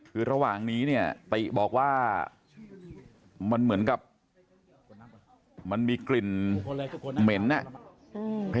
คือระหว่างนี้เนี่ยติบอกว่ามันเหมือนกับมันมีกลิ่นเหม็นอ่ะ